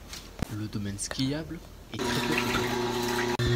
Le domaine skiable est très peu fréquenté.